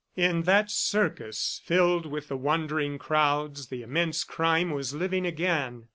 In that circus, filled with the wandering crowds, the immense crime was living again.